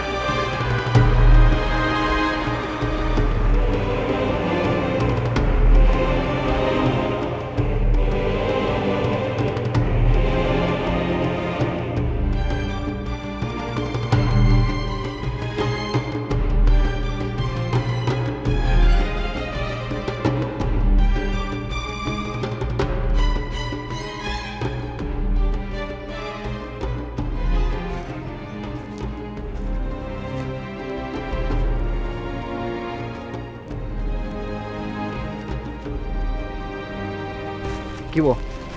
terima kasih bu